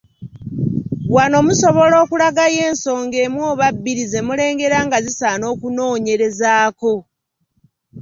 Wano musobola okulagayo ensonga emu oba bbiri ze mulengera nga zisaana okunoonyerezaako. .